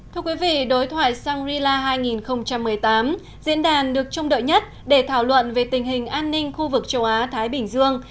thưa quý vị đối thoại shangri la hai nghìn một mươi tám diễn đàn được trông đợi nhất để thảo luận về tình hình an ninh khu vực châu á thái bình dương